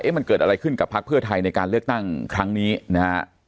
มันเกิดอะไรขึ้นกับพักเพื่อไทยในการเลือกตั้งครั้งนี้นะฮะ